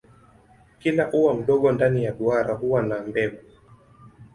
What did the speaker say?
Kila ua mdogo ndani ya duara huwa na mbegu.